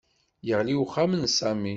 Yeɣli uxxam n Sami